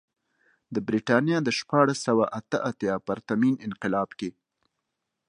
د برېټانیا د شپاړس سوه اته اتیا پرتمین انقلاب کې.